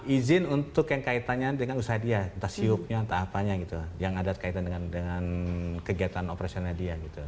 izin untuk yang kaitannya dengan usaha dia entah siupnya entah apanya gitu yang ada kaitan dengan kegiatan operasionalnya dia gitu